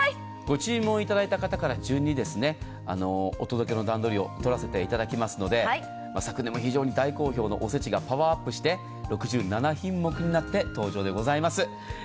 ご注文いただいた方から順にお届けの段取りを取らせていただきますので昨年も非常に大好評のおせちがパワーアップして６７品目になって登場でございます。